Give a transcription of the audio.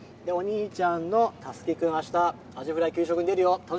お兄ちゃんのたすきくんあしたアジフライ給食に出るよ。